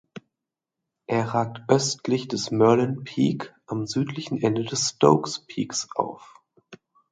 Er ragt östlich des Merlin Peak am südlichen Ende der Stokes Peaks auf.